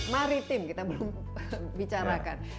maritim kita belum bicarakan